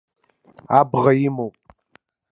Абӷа имоуп.